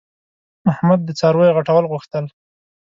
احمد د څارویو غټول غوښتل.